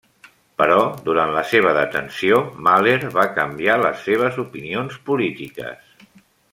Però durant la seva detenció, Mahler va canviar les seves opinions polítiques.